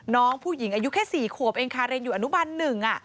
น้องผู้หญิงอายุแค่๔ขวบเองค่ะเรียนอยู่อนุบัน๑